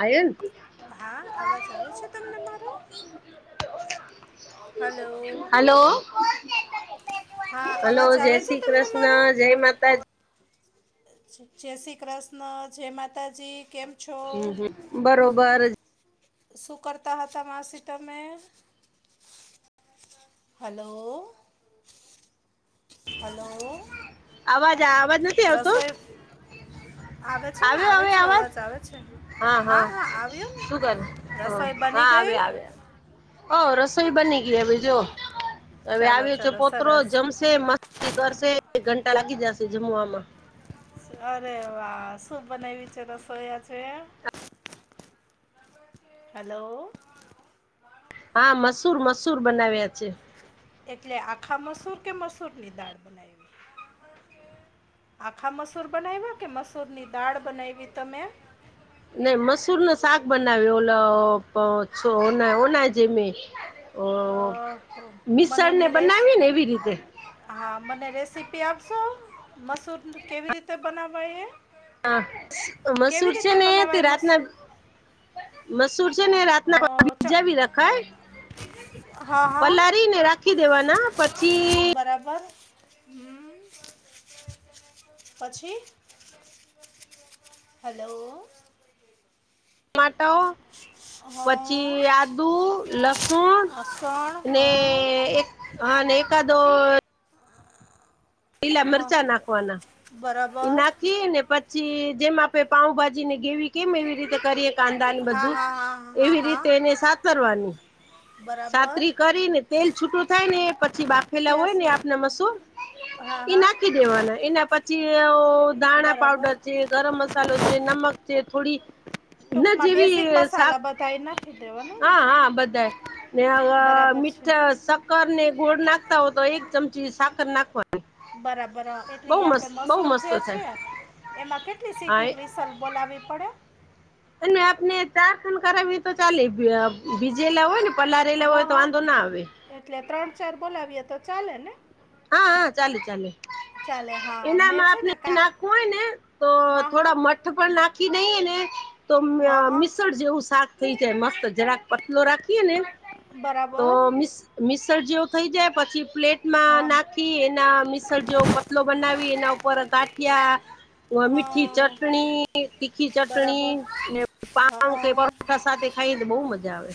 આય [inaudible] હા અવાજ આવે છે તમને મારો હલો હલો હા હલો અવાજ જય આવે છે શ્રી તમને મારો કૃષ્ણ જય માતાજી. જય શ્રી કૃષ્ણ જય માતાજી કેમ છો. હ બરોબર. શું કરતા હતા માસી તમે. હલો હલો અવાજ આવેજ ન. રસોઈ. આવે છે ને આવ્યો આવે હવે છે અવાજ આવે છે હા હા આવ્યો ને. શું કરે રસોઈ બની ગઈ. હ રસોઈ બની ગઈ બીજો હવે ચાલો આવ્યો છે ચાલો પોત સરસ જમશે મસ્તી કરશે એક ઘંટા લાગી જશે જમવામાં અરે વા શું બનાવીવી છે રસોયા છે. હલો હા મસૂર મસૂર બનાવ્યા છે. એટલે આખા મસૂર કે મસૂર ની દાળ બનાવી આખા મસૂર બનાવ્યા કે મસૂર ની દાળ બનાવીવી તમે નઈ મસૂર નો શાક બનાવ્યો ઓ ઓના જે મે ઓ અ, મને મિસળને એની રેસ બનાવીએ ને એવી રીતે હા મને રેસીપી આપશો મસૂર કેવી રીતે બનાવાય એ હ કેવી મસૂર રીતે છેને, તે બનાવાય રાતના મસૂર મસૂર છેને, રાતના અ, ચ બીજા બી રખાય હા હા પલારીને રાખી દેવાના પછી. બરાબર [inaudible] પછી હેલો માટો હા પછી આદુ લસુણ હા, સણ ને હા એક હા લખદો પીલા હા મરચા નાખવાના બરાબર ના કીએ ને પછી જેમ આપડે પાઉભાજી ને ગેવી કેમ એવી રીતે કરીએ કાનદાન હા બધું હા હા હા એવી રીતે હા એને સા કરવાની બરાબર સાતરી કરીને તેલ છૂટું થાય ને પછી બાપા હેલા ત્યાં હોય ને સુધી આપના મસૂર હા એ હા નાખી દેવાના એના પછી દાણા બરાબર પાવડર છે, ગરમ મસાલો નમક છે, થોડી ના ટૂંકમાં જેવી બેઝિક શાક મસાલા બધા એ નાખી દેવાના ને હા હા બધા બરાબર મી છે સાકર ને ગોળ નાખતા હોય, તો એક ચમચી સાકર નાખવાની બરાબર એટલે બહુ મસ્ત આપડે બહુ મસૂર મસ્ત જે થાય છે એમાં કેટલી સી હા એ ચલ બોલાવી પડે અને આપને ચાર ખંડ કરાવીએ તો ચાલે બીજેલા હોય ને. પલારેલા હા હોય તો હા વાંધો ના આવે. એટલે ત્રણ ચાર બોલાવીએ તો ચાલે ને. હા હા ચાલે ચાલે ચાલે હા મેં એનામાં છે ને આપણે કા નાખવું હોય, ને તો હા હા થોડા મટ પણ નાખી નઈને તો હા હા મિશળ જેવુ થઈ જાય મસ્ત જરાક પતલો રાખીએ ને તો બરાબર મ મિક્સર જેવું થઈ જાય પછી પ્લેટમા આમ ખી એના મિસળજો પતલો બનાવી એના ઉપર ગાઠિયા ઉ મીઠી હા ચટણી તીખી ચટણી બરાબર અને હઅ પા સાથે ખાઈ તો બહુ મજા આવે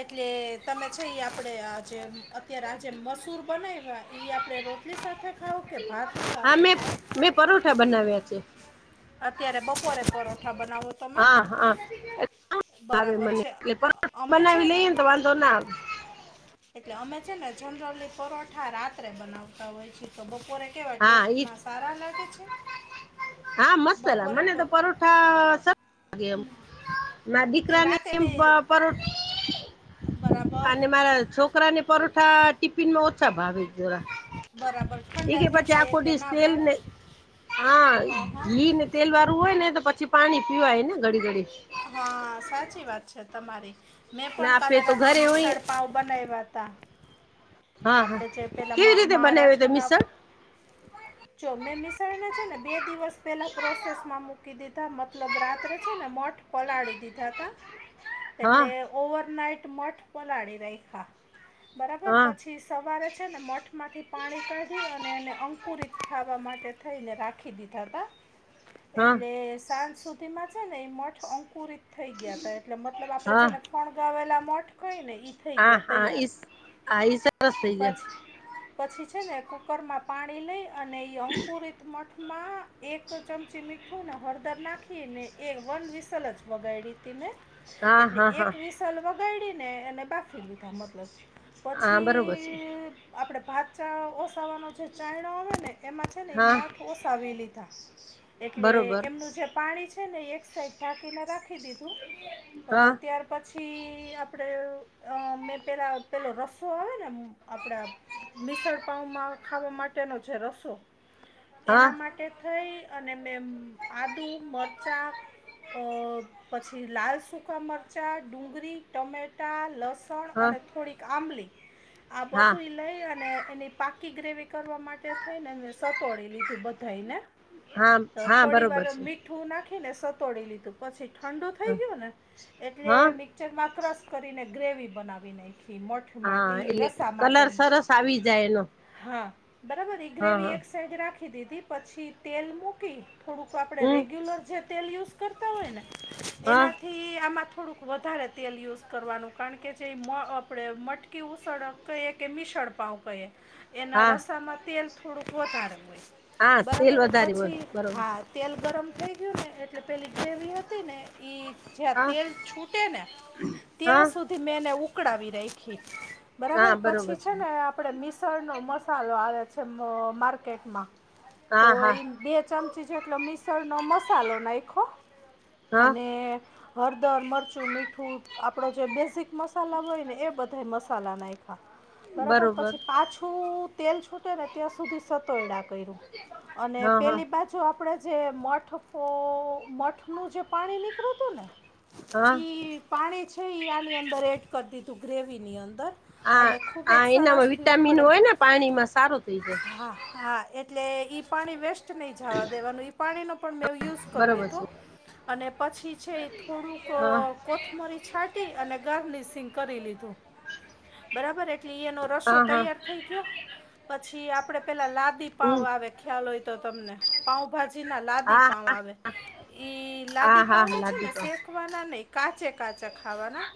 એટલે તમે છે એ આપડે આજ અત્યારે આજે મસૂર બનાવ્યા ઈ આપડે રોટ ટલી સાથે ખાઓ કે ભાતની હા સાથે મેં ખાઓ મેં પરોઠા બનાવ્યા છે. અત્યારે બપોરે પરોઠા બનાવો તમે હા હા એટલે આવે બરાબર મને છે એટલે પરોઠા અમે છે. બનાવી લઈએ ને તો વાંધો ના આવે. એટલે અમે છે ને જનરલી પરોઠા રાત્રે બનાવતા હોય છેી તો બપોરે કેવા હા ઈ જ ટેસ્ટમાં સારા લાગે છે હા મસ્ત અલા બપોરે મને પ તો પરોઠા સર લાગે એમ ના એ દીકરા ને રાતે [inaudible] બરાબર અને મારા છોક છોકરા ને પરોઠા ટીફન માં ઓછા ભાવ જોરા. બરાબર ઠંડા થઈ ચા જાય એટલે [inaudible] ના તેલ ભાવે ને હા ઘી તેલ વાળુ હોય ને તો પછી પાણી પીવાય ને ઘડી ઘડી હા સાચી વાત છે તમારી મેં ને પણ કાલે આપે તો રાત્રે ઘરે હોય મસાાળ પાઉ બનાવ્યા હતા. હા હા આપડે જે પેલા કેવી રીતે બનાવ્યું તે મહારાષ્ટ્રના મિસળ જો મેં મિશળ ને છે ને બે દિવસ પહેલા પ્રોસેસમાં મૂકી દીધી મતલબ રાત્રે છે ને મઠ પલાળી દીધા તા હા એટલે ઓવર નાઈટ મઠ પલાડી રાખ્યા બરાબર હા હા પછી સવારે છે ને મઠમાંથી પાણી કાઢી અને એને અંકુરિત થવા માટે થઈને રાખી દીધા હતા એટલે હા સાંજ સુધી માં છે ને એ મઠ અંકુરિત થઈ ગયા તા એટલે મતલબ આપડે જેને ફણગાવેલા મઠ કઈ નહ હા હા હા સરસ થઈ જાય [inaudible] પછી છે ને કુકરમાં પાણી લઈ અને એ અંકુરિત મઠમાં એક ચમચી મીઠું ને હળદર નાખી ને એ વન વિસલ જ વગાડીડી હતી મેં હા એટલે હા એક હા વિસલ વગાડીને એને બાફી લીધા મતલબ. હા બરોબર છે. આપણેે ભાતા ઓસાવાનો જે ચાયણો આવે ને એમાં છે ને એ હા મઠ ઓસાવી લીધા એટલે બરોબર એમનું જે પાણી છે ને એ એક સાઈડ ઢાંકીને રાખી દીધું હા ત્યાર પછી આપડે અ મેં પેલા પેલો રસ રો આવે ને આપડા મીશળ પાંઉમાં ખાવા માટેનો છે રસો હા એના માટે થઇ અને મે આદુ મરચાં અ પછી લાલ સૂકા મરચા ડુંગળી ટમેટા લસણ પણ હા અને થોડીક આંબલી આ હા બધું લઈ અને એની પાકી ગ્રેવી કરવા માટે થઈને મેં સતોડી લીધું બધાને હા હા થોડી વાર બરોબર મિક છે મીઠું નાખીને સતોડી લીધું પછી ઠંડુ થઈ હા ગયું ને એટલે હા મિક જેેમાં ક્રસ કરીને ગ્રેવી બનાવી નાખી મોઠ હા એટલે કલર સરસ આવી જાય એનો હા બરાબર હા ગ્રેવી હા એક સાઈડ રાખી દીધી પછી તેલ મૂકી થોડુંક આપણે હમ રેગ્યુલર જે તેલ યુઝ કરતા હોય ને હા એનાથી ઈ આમાં થોડુંક વધારે તેલ યુઝ કરવાનું કારણ કે જે આપણે મ ઉસળ કહી કે મીશળ પાાવ કહી એના હા રસામાં તેલ થોડુંક વધારે હા હોય તેલ બરાબર વધારે હોય પછી બરોબર હા તેલ ગરમ થઈ ગયું ને એટલે પેલી ગ્રેવી હતી ને ઈ જ્યાં હા તેલ છૂટે ને હા ત્યાં સુધી મેંને ઉકળાવી રાખી. હા બરાબર પછી બરોબર છે ને આપડે મિશળનો મસાલો આવે છે માર્કેટમાં તો હા હા એ બે ચમચી જેટલો મિશળ નો મસાલો નાખો હા અને હળદર મરચું મીઠું આપડો જે બેઝિક મસાલા હોય ને એ બધા તે મસાલા નાખા બરાબર બરોબર પછી પાછું તેલ છૂટે ને ત્યાં સુધી સતોડા કર્યું અને હા હા પેલી બાજુ જો આપણે જે મઠ ફો મઠનુંજે પાણી નીકળ્યું હતું ને હા એ પાણી છે એ આની અંદર એડ કરી દીધું ગ્રેવીની અંદર હા અને ખુબ જ હા સરસ એનામાં થી વિટામિન ઉકળે હોય ને પાણીમાં સારું થઈ જાય હા હા એટલે ઈ પાણી વેસ્ટ નહી જવા દેવાનું ઈ પાણીનો પણ મેં યુઝ કરી બરોબર લીધું છે અને પછી છે થોડુંક હા કોથમરી છાંટી અને ગાર્લિશિંગ કરી લીધું બરાબર એટલે એનો રસ્સો હા હા તૈયાર થઈ ગયો પછી આપણે પેલા લાદી પાવ હમ આવે ખ્યાલ હોય તો તમને પાઉંભાજી ના લાદી હા પાાવ હા આવે ઈ હા લાદી હા હા પાઉને છે લાદી ને શેક પણ શેક વાના નહીં કાચે કાચા ખાવાના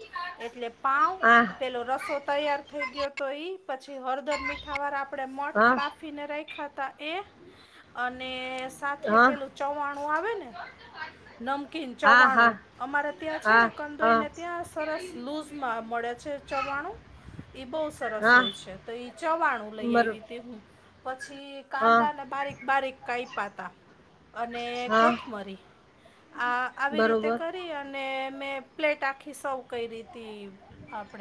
એટલે પાઉ હ પેલો રસો તૈયાર થઈ ગયો તો ઈ પછી હળદર મીઠા વાર આપણે મઠ હા બાફીયા ફીને રાખાતા એ અને સાથે હા પેલું ચવાણું આવે ને નમકીન હા હા ચવાણું અમારે ત્યાં છે હા ને હા કંદોઈને ત્યાં સરસ લૂઝ માં મળે છે ચવાણું એ બહુ સરસ હા હોય છે તો ઈ ચવાણું લઈ બરો આવી હતી હું પછી હા કાંદાને બારીક બારીક કાાયપતા અને હા કોથમરી આ આવી રીતે બરોબર કરી અને મેં પ્લેટ આખી સવૅ કઈ રીતે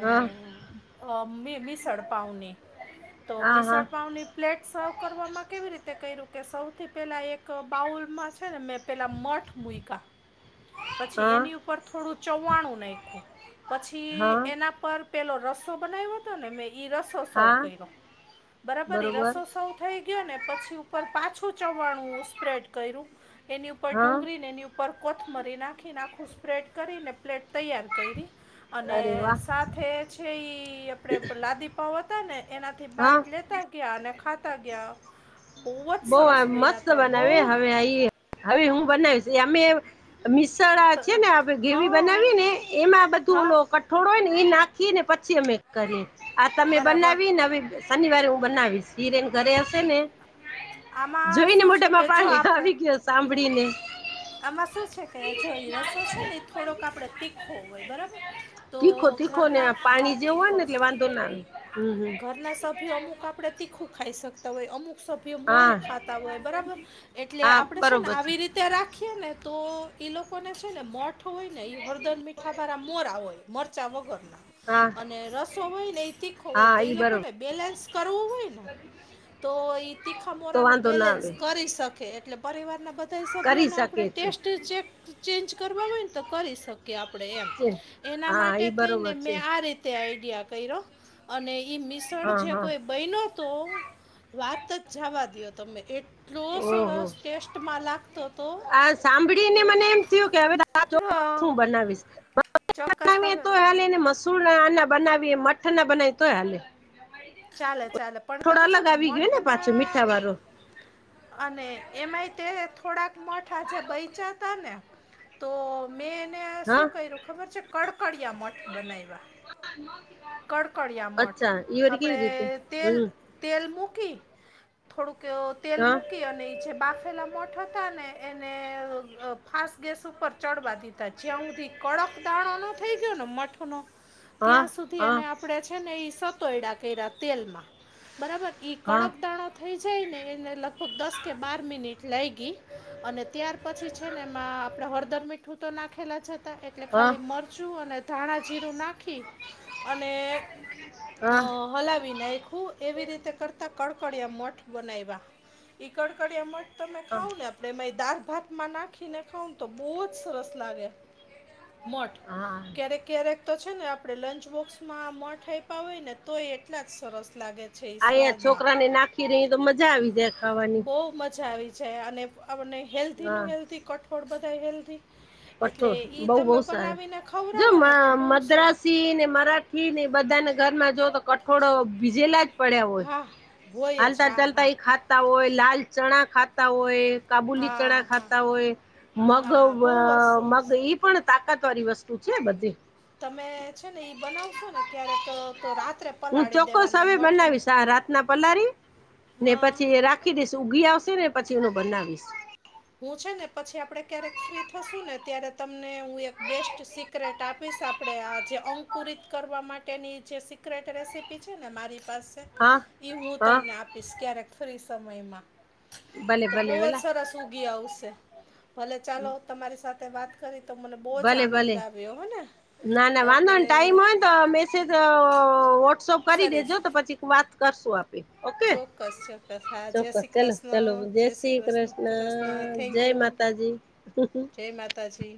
હા મીસળપાવની તો હા હા મીસળપાવની પ્લેટ સર્વ કરવામાં કેવી રીતે કર્યું કે સૌથી પહેલા એક બાઉલમાં છે ને મેં પેલાં મઠ મુઈકા પછી હા એની ઉપર થોડું ચવાણું નાખું પછી હા એના પર પેલો રસો બનાવ્યો હતો ને મેં ઈ રસો સવૅ હા કઇરો બરાબર ઈ બરોબર રસો સવૅ થઈ ગયોને પછી ઉપર પાછું ચવાણું સ્પ્રેડ કર્યું એની ઉપર હા ડુંગળી એની ઉપર કોથમરી નાખીને આખું સ્પ્રેડ કરીને પ્લેટ તૈયાર કરી અને અરે વાહ સાથે છે ઈ આપણે લાદીપાવ હતા ને એનાથી હા બાઈટ લેતા ગયા અને ખાતા ગયા જ બહુ સરસ બન્યા મસ્ત હતા બહુ બનાવે હવે આપીએ હવે હું બનાવીશ અમે છે ત- ને આપણે ગ્રેવી હા બનાવી ને એમાં બધું હા ઓલો થોડો ને એ નાખી ને પછી અમે કરી આ તમે બરાબર બનાવીને હવે શનિવારે હું બનાવીશ હીરેન ઘરે હશે ને આમાં જોઈ ને શું છે મોઢામાં કે જો પાણી આપણે આવી ગયો સાંભળીને આમાં શું છે કે જો રસો છે ને એ થોડોક આપણે તીખો હોય બરાબર તો તીખો ઘર ના હાથી ખોવ તો ના હમ હમ વરના સભી અમુક આપણે તીખું ખાઈ શકતા હોય, અમુક સ એ મોરું હા ખાતા હોય બરાબર એટલે હા આપણે છે ને બરોબર આવી રીતે ત્યાં રાખીએ ને તો ઈ લોકોને છે ને મોઠ હોય ને ઈ હરદન મીઠા વાળા મોરા હોય મરચાં વગરના હા અને રસો હોયને એ તીખો હોય હા તો ઈ એ બરોબર લોકોને બેલેન્સ કરવું હોય ને તો તો તીખાામોરાનું વાંધો ના બેલેન્સ આવે કરી શકે એટલે પરિવારના બધા કરી સભ્યોને શકે આપણે છે ટેસ્ટ ચેક ચેન્જ કરવા હોય ને તો કરી શકીએ આપણેે એમ છે એના હા માટે ઈ થઈ બરોબર ને છે મેં આ રીતે આઈડિયા કર્યો અને ઈ મિશળ હા જે હા કોઈ બહેનો તો વાત જ જવા દો તમે એ એટલો ઓહો સરસ ટેસ્ટમાં લાગતો તો કે ું [unintelligible] ચોક્કસ બનાવીશવી તમે તો એ હાલ એને મસ્ સણા ના બનાવી મઠ ના બનાવી તોય હા ચાલે ચાલે પણ તમે છેો, અલગ ને આવી ગયો પાછું મઠના મીઠા વાળો અને એમાંય તે થોડાક મોઠા જે બૈચા હતા ને તો મેં એને હા શું કર્યું ખબર છે, કડકડીિયા મઠ બનાવ્યા કડકડિયા મઠ અચ્છા ઈ વળી કેવી રીતે આપણેે તેલ હમ તેલ મૂકી થોડુંક તેલ હા મૂકી અને એ છે, બાફ લા મોઠ હતા ને એને ફાસ ગેસ ઉપર ચડવા દીધા જ્યાં સુધી કડક દાણો નો થઈ ગયોને મઠ નો હા ત્યાં સુધી હા એને આપણેે ને સતોયડા કર તેલમાં બરાબર ઈ હા કડક દાણાો થઈ જાય ને એ લગભગ દસ કે બાર મિટ લઈ ગઈ અને ત્યાર પછી છે ને એમાં આપડે હળદર મીઠું તો નાખેલા છે એટલે હા ખાલી મરચું અને ધાણા જીરું નાખી અને અ હા હલાવી નાખ્યું એવી રીતે કરતા કડકડિયા મઠ બનાવ્યા કડકડીયા મ તો મેં ખાવું લ આપ આપણે મે એ દાળ ભાતમાં નાખીને ખાઉં તો બહુ જ સરસ લાગે મઠ હા ક્યારેક ક્યારેક તો છે ને આપડણે લંચ બોક્સમાં આ મઠ આપ્યા હોય, ને તો એ એટલા જ સરસ લાગે. છે એ આહીંયા સ્વાદમાં છોકરાને નાખી રહી તો મજા આવી જાય ખાવાની ખૂબ મજા આવી જાય અને આપણને હા હેલ્ધીનું હેલ્ધી કઠોળ બધા હેલ્ધી કો એટલે ઈ બઉ બહ તમે સારા બનાવીને જો ખવડાવો ને તો બહુ સ મદ્રાસ ને મરા નહી બધાને ઘરમાં જો તો કઠોળો ભીજેલા જ પડ્યા હોય હા હોય જ હાલતા હા ચાલતા હા એા ખ હોય લાલ ચણા ખાતા હોય કાબુલી ચણા હા હા ખાતા હોય મગ હા બહુ જ સરસ એ પણ તાકાત વાળી વસ્તુ છે, બધી તમે છે ને ઈ બનાવશો ને ક્યારેક તો રાત્રે હું પલાળી ચોક્કસ દેવાના હવે મઠ ને બનાવીશ આ રાતના પલારી ને પછી રાખી દઈશ ઉઊગી આવશે ને પછી એનું બનાવીશ હું છે ને પછી આપણે ક્યારેક ફ્રી થશું ને ત્યારે તમને હું એક બેસ્ટ સિક્રેટ આપીશ આપ આપડણે આ જે અંકુરિત કરવા માટેની જે સિક્રેટ રેસીપી છેને, મારી પાસે હા ઈ હું હા તમને આપીશ ક્યારેક ફરી સમયમાં ભલે તો ભલે બહુ જ ભલા સરસ સુી આવશે ભલે ચાલો તમારી સાથે વાત કરી તો મને બહુ જ ભલે આનંદ ભલે આવ્યો હેને ના ના વાંધો કે ને ટાઈમ હોય ને તો મેસેજ વોટ્સઅપ કરી દેજો કરીશ તો પછી વાત કરશું આપ ઓકે ચોક્કસ ચોક્કસ હા જય ચોક્કસ શ્રી ચલોો ચાલો કૃષ્ણ જય શ્રી કૃષ્ણ કૃષ્ણ જય થેન્ક યુ માતા તાજી જય માતાજી